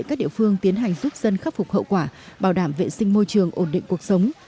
các địa phương tiến hành giúp dân khắc phục hậu quả bảo đảm vệ sinh môi trường ổn định cuộc sống